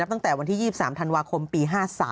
ตั้งแต่วันที่๒๓ธันวาคมปี๕๓